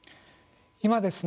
今ですね